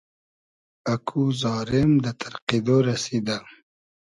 اکو زارېم دۂ تئرقیدۉ رئسیدۂ